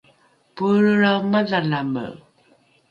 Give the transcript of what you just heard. poelrelrao madhalame